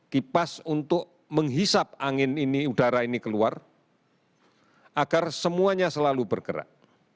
kipas untuk menghisap angin ini udara ini keluar agar semuanya selalu bergerak